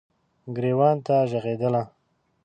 ګریوان ته ږغیدله